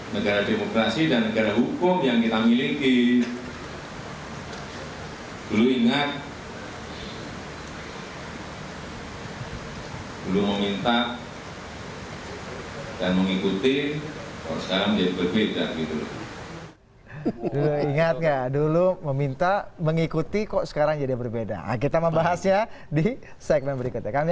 nah ya silakan itu dinilai